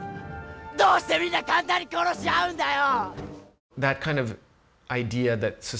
どうしてみんな簡単に殺し合うんだよ！